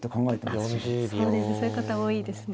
そうですねそういう方多いですね。